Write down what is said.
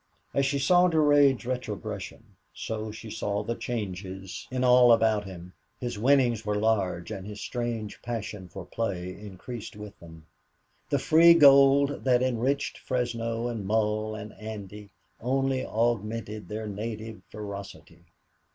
As she saw Durade's retrogression, so she saw the changes in all about him. His winnings were large and his strange passion for play increased with them. The free gold that enriched Fresno and Mull and Andy only augmented their native ferocity.